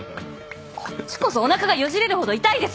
こっちこそおなかがよじれるほど痛いです！